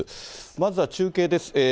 まずは中継です。